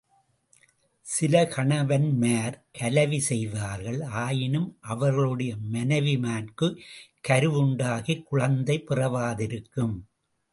சில கணவன்மார் கலவி செய்வார்கள், ஆயினும் அவர்களுடைய மனைவிமார்க்குக் கருவுண்டாகிக் குழந்தை பிறவாதிருக்கும்.